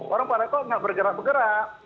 orang pada kok nggak bergerak bergerak